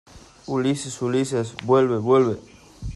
¡ Ulises! ¡ Ulises, vuelve !¡ vuelve !